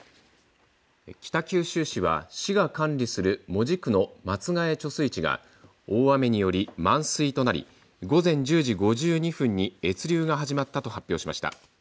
北九州市は市が管理する門司区の松ヶ江貯水池が大雨により満水となり午前１０時５２分に越流が始まったと発表しました。